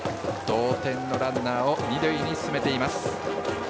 同点のランナーを二塁に進めています。